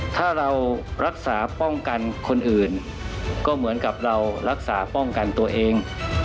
ถ้าเรารักษาป้องกันคนอื่นก็เหมือนกับเรารักษาป้องกันตัวเอง